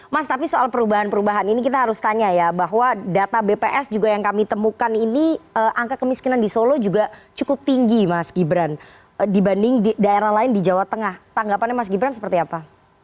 mas tapi soal perubahan perubahan ini kita harus tanya ya bahwa data bps juga yang kami temukan ini angka kemiskinan di solo juga cukup tinggi mas gibran dibanding daerah lain di jawa tengah tanggapannya mas gibran seperti apa